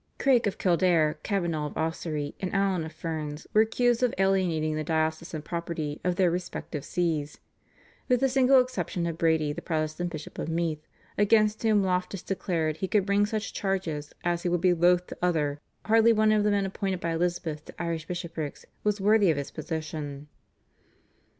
Craik of Kildare, Cavenagh of Ossory, and Allen of Ferns were accused of alienating the diocesan property of their respective Sees. With the single exception of Brady, the Protestant Bishop of Meath, against whom Loftus declared he could bring such charges as he would be loath to utter, hardly one of the men appointed by Elizabeth to Irish bishoprics was worthy of his position.